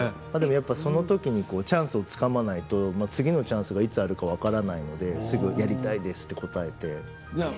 そのときにチャンスをつかまないといつチャンスがあるか分からないのですぐやりたいですと答えて。